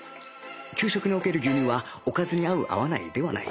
給食における牛乳はおかずに合う合わないではない